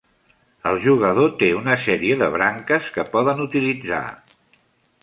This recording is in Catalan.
El jugador té una sèrie de "branques" que poden utilitzar.